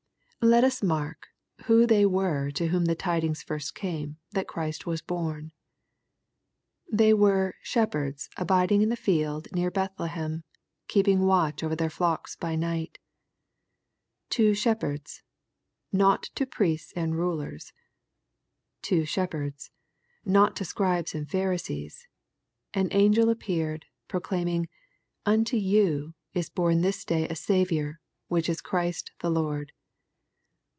Let us mark who they were to whom the tidings first came that Christ was horn. They were " shep herds abiding in the field near Bethlehem, keeping watch over their flocks by night." To shepherds — not to priests and rulers, — ^to shepherds — not to Scribes and Pharisees, an angel appeared, proclaiming, ^^ unto you is bom this day a Saviour, which is Christ the Lord."